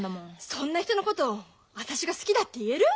そんな人のことを私が好きだって言える？